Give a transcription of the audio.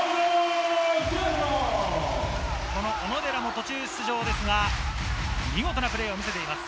この小野寺も途中出場ですが、見事なプレーを見せています。